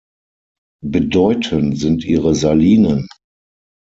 Bedeutend sind ihre Salinen.